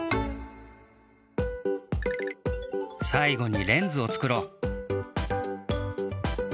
さいごにレンズを作ろう。